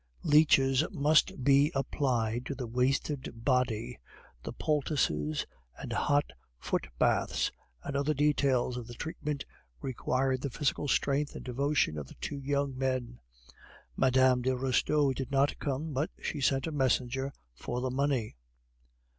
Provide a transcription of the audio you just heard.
Leeches must be applied to the wasted body, the poultices and hot foot baths, and other details of the treatment required the physical strength and devotion of the two young men. Mme. de Restaud did not come; but she sent a messenger for the money.